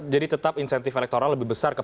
jadi tetap insentif elektoral lebih besar ke